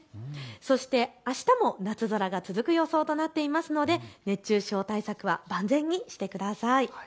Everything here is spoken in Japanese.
そしてあしたも夏空が続く予想となっていますので熱中症対策を万全にしてください。